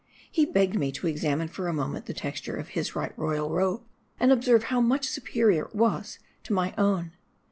He begged me to examine for a moment the texture of his right royal robe, and observe how much superior it was to my own.